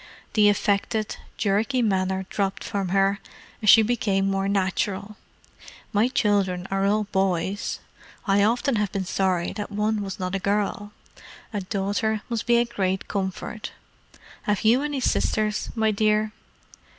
The affected, jerky manner dropped from her, and she became more natural. "My children are all boys: I often have been sorry that one was not a girl. A daughter must be a great comfort. Have you any sisters, my dear?"